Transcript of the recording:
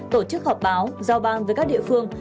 tổ chức họp báo giao ban với các địa phương